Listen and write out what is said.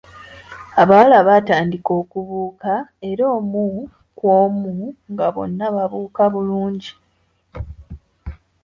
Abawala baatandika okubuuka era omu ku omu nga bonna babuuka bulungi.